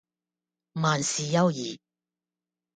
萬事休矣